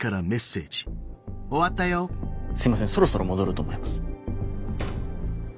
すいませんそろそろ戻ると思います。